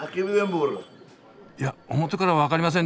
いや表から分かりませんでした。